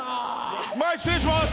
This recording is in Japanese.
前失礼します！